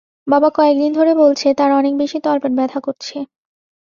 বাবা কয়েকদিন ধরে বলছে তার অনেক বেশি তলপেট ব্যথা করছে।